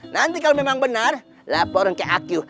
nanti kalau memang benar laporin ke aku